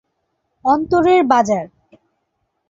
অন্তরের বাজার